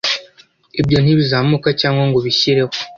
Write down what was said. ibyo ntibizamuka cyangwa ngo bishyireho